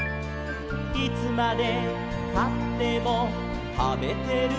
「いつまでたっても食べてるんだね」